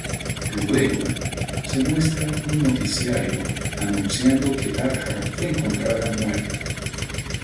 Luego, se muestra un noticiario anunciando que Tarja fue encontrada muerta.